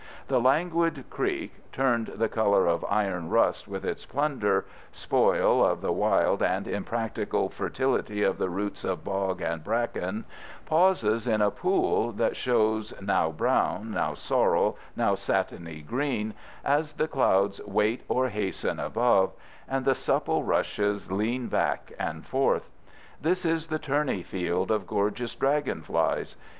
The languid creek, turned the color of iron rust with its plunder—spoil of the wild and impractical fertility of the roots of bog and bracken—pauses in a pool that shows now brown, now sorrel, now satiny green as the clouds wait or hasten above and the supple rushes lean back and forth. This is the tourney field of gorgeous dragonflies.